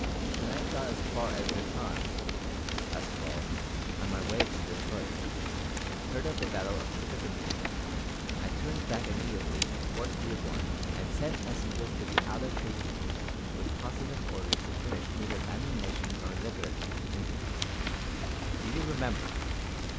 When I got as far as De Charme's, last Fall, on my way to Detroit, and heard of the battle of Tippecanoe, I turned back immediately to Fort Dearborn and sent messengers to the outer trading posts with positive orders to furnish neither ammunition nor liquor to the Indians. Do you remember?"